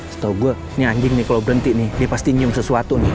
setahu gue ini anjing nih kalau berhenti nih dia pasti nyium sesuatu nih